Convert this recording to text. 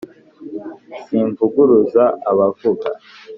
simvuguruza abavuga